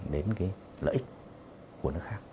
đến cái lợi ích của nước khác